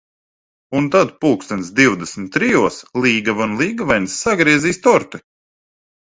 Un tad, pulkstens divdesmit trijos, līgava un līgavainis sagriezīs torti.